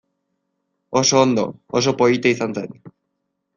Oso ondo, oso polita izan zen.